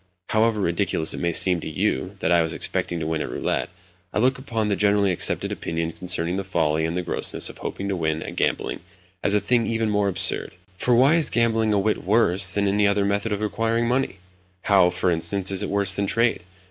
However ridiculous it may seem to you that I was expecting to win at roulette, I look upon the generally accepted opinion concerning the folly and the grossness of hoping to win at gambling as a thing even more absurd. For why is gambling a whit worse than any other method of acquiring money? How, for instance, is it worse than trade?